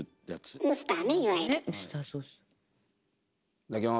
いただきます。